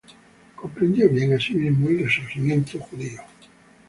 Comprendió bien, asimismo, el resurgimiento judío.